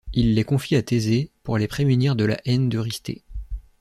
Il les confie à Thésée, pour les prémunir de la haine d'Eurysthée.